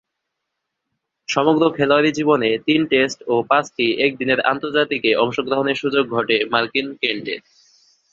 সমগ্র খেলোয়াড়ী জীবনে তিন টেস্ট ও পাঁচটি একদিনের আন্তর্জাতিকে অংশগ্রহণের সুযোগ ঘটে মার্টিন কেন্টের।